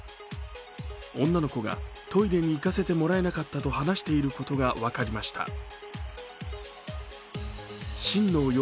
女の子がトイレに行かせてもらえなかったと話していることが分かりました。